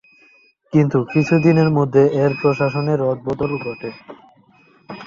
কিন্তু কিছুদিনের মধ্যে এর প্রশাসনে রদবদল ঘটে।